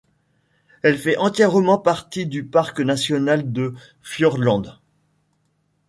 Elle fait entièrement partie du parc national de Fiordland.